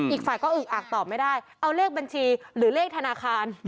อีกฝ่ายก็อึกอักตอบไม่ได้เอาเลขบัญชีหรือเลขธนาคาร